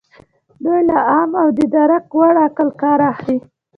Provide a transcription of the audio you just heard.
دوی له عام او د درک وړ عقل کار اخلي.